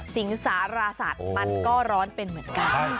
สิงสารสัตว์มันก็ร้อนเป็นเหมือนกัน